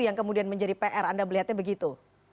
yang kemudian menjadi pr anda melihatnya begitu